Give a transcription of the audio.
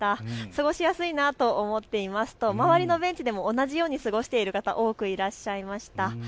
過ごしやすいなと思っていますと周りのベンチでも同じように過ごしている方、いらっしゃいました。